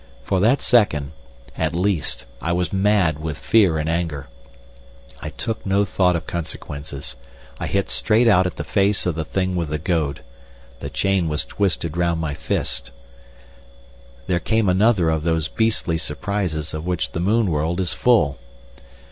For that second, at least, I was mad with fear and anger. I took no thought of consequences. I hit straight out at the face of the thing with the goad. The chain was twisted round my fist. There came another of these beastly surprises of which the moon world is full.